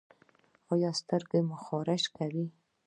ایا سترګې مو خارښ کوي؟